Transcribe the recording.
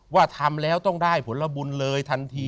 ว่าทำแล้วต้องได้ผลบุญเลยทันที